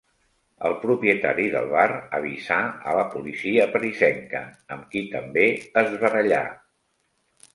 El propietari del bar avisà a la policia parisenca, amb qui també es barallà.